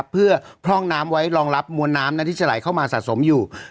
เพื่อพร่องน้ำไว้รองรับมวลน้ำที่จะไหลเข้ามาสะสมอยู่